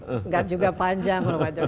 enggak juga panjang loh pak jokowi